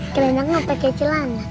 keren banget pake celana